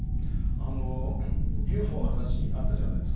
ＵＦＯの話あったじゃないですか。